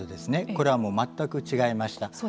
これは全く違いました。